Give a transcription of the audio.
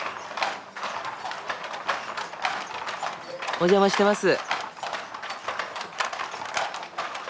お邪魔してます。